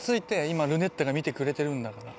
今ルネッタが見てくれてるんだから。